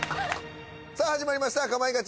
さあ始まりました『かまいガチ』。